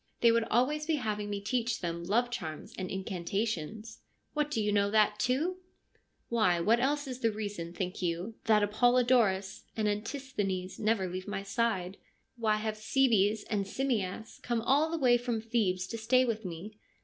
They would always be having me teach them love charms and incantations/ ' What, do you know that, too ?■' Why, what else is the reason, think you, that Apol lodorus and Antisthenes never leave my side ? Why have Cebes and Simmias come all the way from Thebes to stay with me